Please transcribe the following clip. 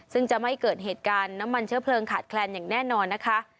ซึ่งจะไม่เกิดเหตุการณ์น้ำมันเชื้อเพลิงขาดแคลนอย่างแน่นอนนะคะ